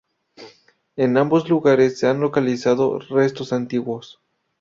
En ambos lugares se han localizado restos antiguos.